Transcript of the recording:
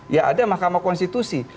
ya ada mahkamah konstitusi